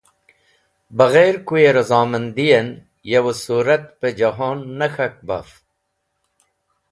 Bẽghẽr kuyẽ rizomandin yo sũrat pẽ jẽhon ne k̃hak baf.